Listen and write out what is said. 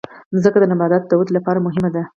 مځکه د نباتاتو د ودې لپاره مهمه ده.